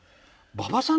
馬場さん。